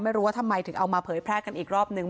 ไม่รู้ว่าทำไมถึงเอามาเผยแพร่กันอีกรอบนึง